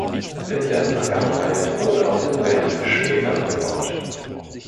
In der Vergangenheit wurde auf dem Berg Schwefel abgebaut.